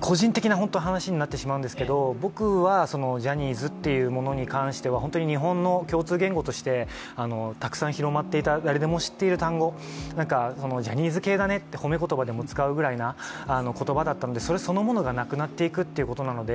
個人的な話になってしまうんですけど僕はジャニーズというものについては本当に日本の共通言語としてたくさん広まっていた、誰でも知ってる単語、ジャニーズ系がねと、褒め言葉でも使っている言葉だったので、それそのものがなくなっていくということなので